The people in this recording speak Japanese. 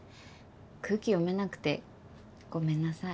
空気読めなくてごめんなさい。